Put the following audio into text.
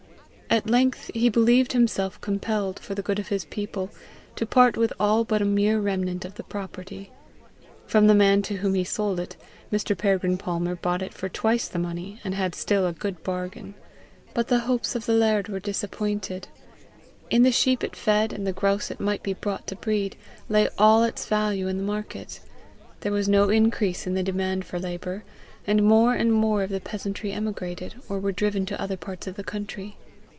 At length he believed himself compelled, for the good of his people, to part with all but a mere remnant of the property. From the man to whom he sold it, Mr. Peregrine Palmer bought it for twice the money, and had still a good bargain. But the hopes of the laird were disappointed: in the sheep it fed, and the grouse it might be brought to breed, lay all its value in the market; there was no increase in the demand for labour; and more and more of the peasantry emigrated, or were driven to other parts of the country.